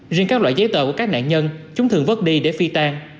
riêng các loại giấy tờ của các nạn nhân chúng thường vớt đi để phi tan